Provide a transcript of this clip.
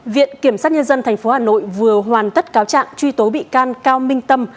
viện kiểm sát nhân dân tp hcm vừa hoàn tất cáo trạng truy tố bị can cao minh tâm